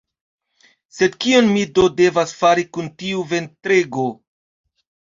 Sed kion mi do devas fari kun tiu ventrego?